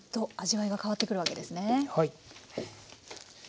はい。